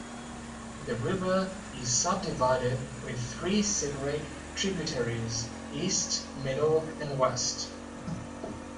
The river is subdivided with three separate tributaries: East, Middle, and West.